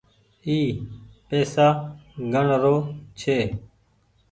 اي پئيسا گڻ رو ڇي۔